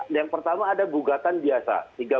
yang pertama ada gugatan biasa seribu tiga ratus enam puluh lima